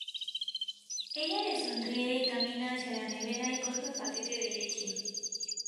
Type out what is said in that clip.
Ella le sonríe y camina hacia la nevera y coge un paquete de leche.